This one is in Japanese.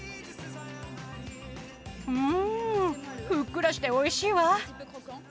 うんふっくらしておいしいわ。